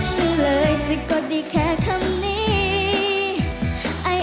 ฉันเลยสิก็ดีแค่คำนี้